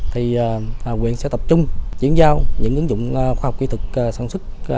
thì nguyện sẽ tập trung diễn giao những ứng dụng khoa học kỹ thuật sản xuất